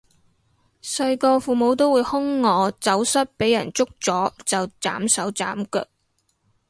細個父母都會兇我走失畀人捉咗就斬手斬腳